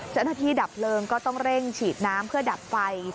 ดับเพลิงก็ต้องเร่งฉีดน้ำเพื่อดับไฟ